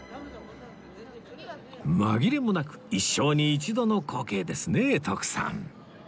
紛れもなく一生に一度の光景ですね徳さん